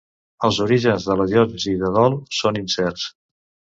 Els orígens de la diòcesi de Dol són incerts.